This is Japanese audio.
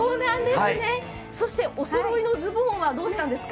そしておそろいのズボンはどうしたんですか？